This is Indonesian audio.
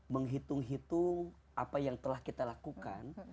menghitung hitung apa yang telah kita lakukan